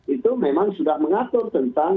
itu memang sudah mengatur tentang